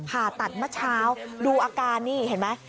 ผ่าตัดเมื่อเช้าดูอาการนี่เห็นไหม